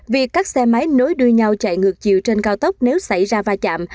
việc các xe máy nối đuôi nhau chạy ngược chiều trên cao tốc nếu xảy ra va chạm